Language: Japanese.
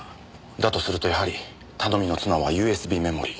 だとするとやはり頼みの綱はＵＳＢメモリー。